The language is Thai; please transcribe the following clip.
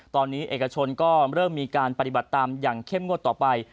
ตอนนี้เอกชนก็เริ่มมีการปฏิบัติตามอย่างเข้มงวดต่อไป